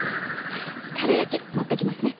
かるやき持ってきますね。